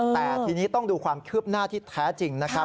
แต่ทีนี้ต้องดูความคืบหน้าที่แท้จริงนะครับ